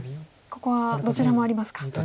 ここはどちらもありますか。